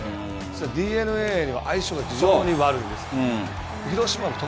ＤｅＮＡとの相性が本当に悪いです。